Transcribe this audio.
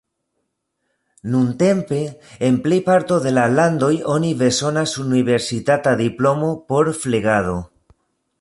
Nuntempe, en plejparto de la landoj, oni bezonas universitata diplomo por flegado.